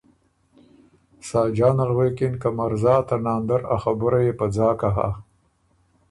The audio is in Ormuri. ساجان ال غوېکِن که ”مرزا ته ناندر ا خبُره يې په ځاکه هۀ